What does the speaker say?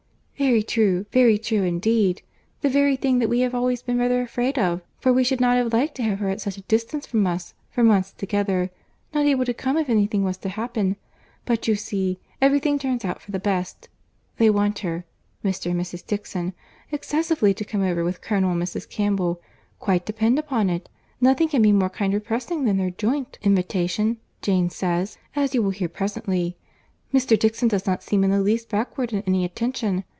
"Very true, very true, indeed. The very thing that we have always been rather afraid of; for we should not have liked to have her at such a distance from us, for months together—not able to come if any thing was to happen. But you see, every thing turns out for the best. They want her (Mr. and Mrs. Dixon) excessively to come over with Colonel and Mrs. Campbell; quite depend upon it; nothing can be more kind or pressing than their joint invitation, Jane says, as you will hear presently; Mr. Dixon does not seem in the least backward in any attention.